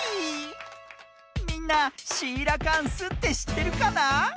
みんなシーラカンスってしってるかな？